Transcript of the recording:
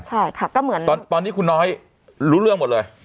ใช่ค่ะก็เหมือนตอนนี้คุณน้อยรู้เรื่องหมดเลย